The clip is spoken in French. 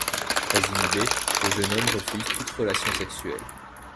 Très inhibé, le jeune homme refuse toute relation sexuelle.